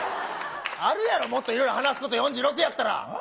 あるやろ、もっといろいろ話すこと、４６やったら。